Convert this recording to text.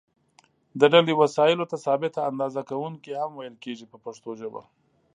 دې ډلې وسایلو ته ثابته اندازه کوونکي هم ویل کېږي په پښتو ژبه.